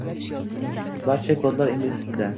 Barcha kodlar ingliz tilida